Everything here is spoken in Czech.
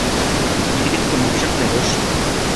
Nikdy k tomu však nedošlo.